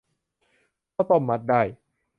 ข้าวต้มมัดไต้